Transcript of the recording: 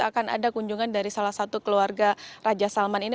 akan ada kunjungan dari salah satu keluarga raja salman ini